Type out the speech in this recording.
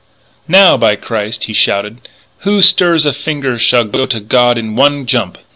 "Now, by Christ!" he shouted, "who stirs a finger shall go to God in one jump!